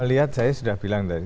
lihat saya sudah bilang tadi